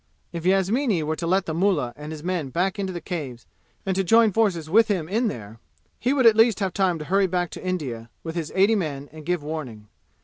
If Yasmini were to let the mullah and his men into the Caves and to join forces with him in there, he would at least have time to hurry back to India with his eighty men and give warning.